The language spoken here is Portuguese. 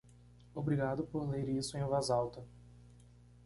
Obrigado por ler isso em voz alta.